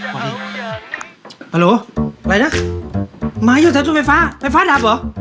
พอดีฮัลโหลอะไรนะไม้ยกเต็มสุดไฟฟ้าไฟฟ้าดับเหรอ